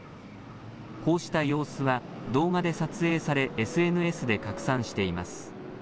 こうした様子は動画で撮影されＳＮＳで拡散しています。